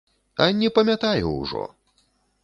А не памятаю ўжо.